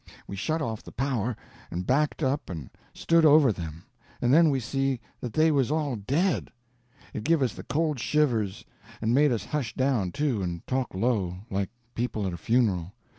We shut off the power, and backed up and stood over them, and then we see that they was all dead. It give us the cold shivers. And it made us hush down, too, and talk low, like people at a funeral.